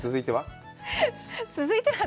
続いては？